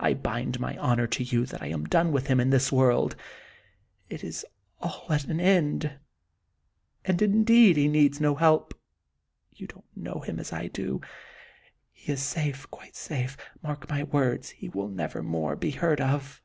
I bind my honor to you that I am done with him in this world. It is all at an end. And indeed he needs no help ; you Jon't know him as I do ; he is Dr. Jekyll and Mr. Hyde. 15 safe, quite safe ; mark my words, he will never more be heard of."